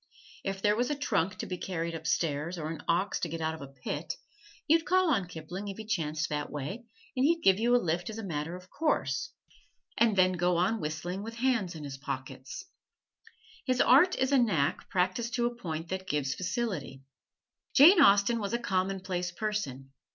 If there was a trunk to be carried upstairs, or an ox to get out of a pit, you'd call on Kipling if he chanced that way, and he'd give you a lift as a matter of course, and then go on whistling with hands in his pockets. His art is a knack practised to a point that gives facility. Jane Austen was a commonplace person.